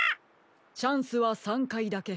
「チャンスは３かいだけ」。